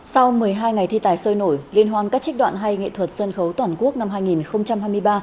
sau một mươi hai ngày thi tài sôi nổi liên hoan các trích đoạn hay nghệ thuật sân khấu toàn quốc năm hai nghìn hai mươi ba